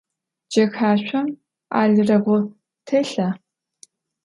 Cexaşsom alıreğu têlha?